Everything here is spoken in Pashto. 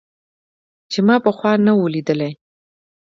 چې ما پخوا نه و ليدلى.